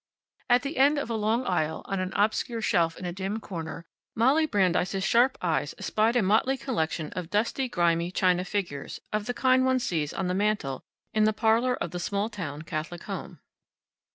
At the end of a long aisle, on an obscure shelf in a dim corner, Molly Brandeis' sharp eyes espied a motley collection of dusty, grimy china figures of the kind one sees on the mantel in the parlor of the small town Catholic home.